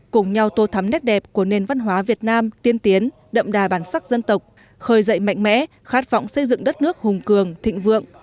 cùng nhau tô thắm nét đẹp của nền văn hóa việt nam tiên tiến đậm đà bản sắc dân tộc khởi dậy mạnh mẽ khát vọng xây dựng đất nước hùng cường thịnh vượng